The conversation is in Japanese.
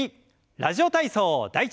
「ラジオ体操第１」。